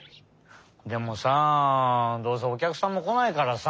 でもさどうせおきゃくさんもこないからさ。